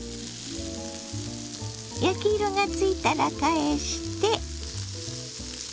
焼き色がついたら返して。